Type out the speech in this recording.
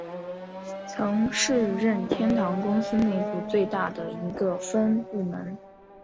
曾是任天堂公司内部最大的一个分部门。